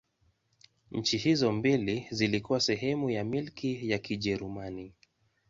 Nchi hizo mbili zilikuwa sehemu ya Milki ya Kijerumani.